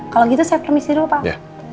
kalau gitu saya permisi dulu pak